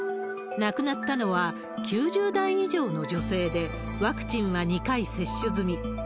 亡くなったのは９０代以上の女性で、ワクチンは２回接種済み。